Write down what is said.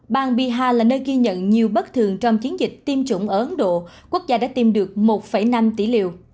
bang biha là nơi ghi nhận nhiều bất thường trong chiến dịch tiêm chủng ở ấn độ quốc gia đã tìm được một năm tỷ liều